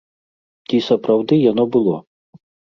Ці сапраўды яно было?